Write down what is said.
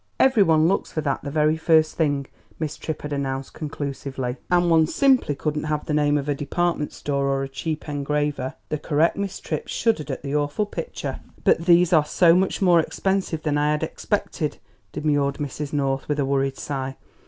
"Every one looks for that the very first thing," Miss Tripp had announced conclusively; "and one simply couldn't have the name of a department store or a cheap engraver!" The correct Miss Tripp shuddered at the awful picture. "But these are so much more expensive than I had expected," demurred Mrs. North, with a worried sigh.